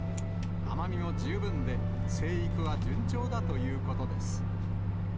甘みも十分で、生育は順調だということです。